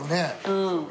うん。